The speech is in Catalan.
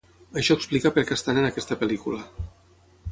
Això explica perquè estan en aquesta pel·lícula.